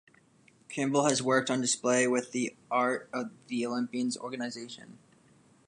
Campbell has works on display with the Art of the Olympians organization.